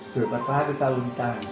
sudah berapa hari kalau ditahan